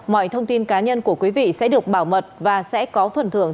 mọi thông tin cá nhân của quý vị sẽ được bảo mật và sẽ có phần thưởng